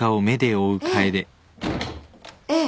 ええ。